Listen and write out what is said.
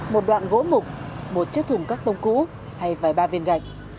một đoạn gỗ mục một chiếc thùng cắt tông cũ hay vài ba viên gạch